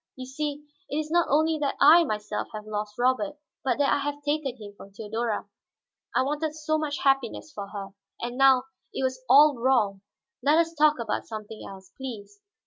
You see, it is not only that I myself have lost Robert, but that I have taken him from Theodora. I wanted so much happiness for her, and now it was all wrong. Let us talk of something else, please."